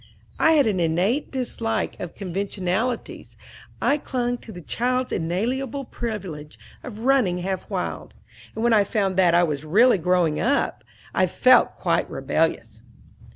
I had an innate dislike of conventionalities. I clung to the child's inalienable privilege of running half wild; and when I found that I really was growing up, I felt quite rebellious.